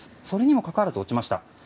それにもかかわらず落ちました。